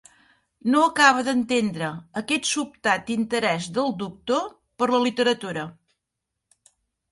No acaba d'entendre aquest sobtat interès del doctor per la literatura.